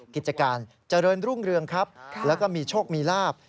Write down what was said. กิจการเจริญรุ่งเรืองครับแล้วก็มีโชคมีลาบ